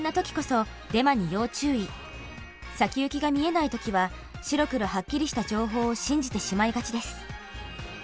先行きが見えない時は白黒はっきりした情報を信じてしまいがちです。